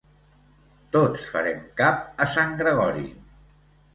Tots farem cap a Sant Gregori!